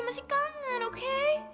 masih kangen oke